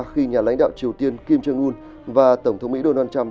khi nhà lãnh đạo triều tiên kim jong un và tổng thống mỹ donald trump